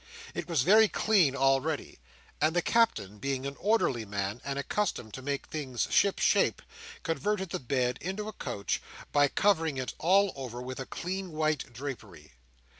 It was very clean already; and the Captain, being an orderly man, and accustomed to make things ship shape, converted the bed into a couch, by covering it all over with a clean white drapery.